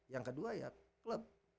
yang kedua ya klub